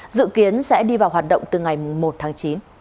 dự kiến sẽ đi vào hoạt động từ ngày một tháng chín